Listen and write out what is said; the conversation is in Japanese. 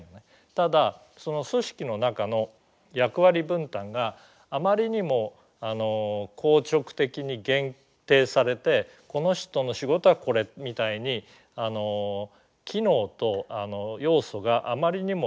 ただその組織の中の役割分担があまりにも硬直的に限定されて「この人の仕事はこれ」みたいに機能と要素があまりにも限定されている組織はですね